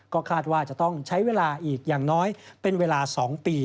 ก็คาดว่าจะต้องใช้เวลาอีกอย่างน้อยเป็นเวลา๒ปี